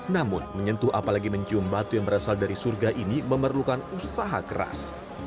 namun menyentuh apalagi mencium batu yang berasal dari surga ini memerlukan usaha keras